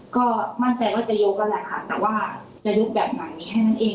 ก็มั่นใจว่าจะยกกันแหละค่ะแต่ว่าจะดูดแบบนั้นนี้ให้นั่นเอง